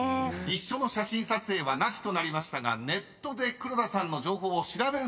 ［一緒の写真撮影はなしとなりましたがネットで黒田さんの情報を調べるのはいいですか？］